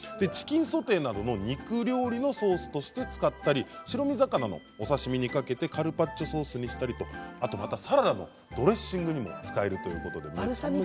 チキンソテーなどの肉料理のソースとして使ったり白身魚の刺身にかけてカルパッチョソースにしたりとあとサラダのドレッシングに使えるということです。